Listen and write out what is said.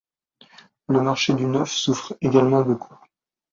Le marché du neuf souffre également beaucoup.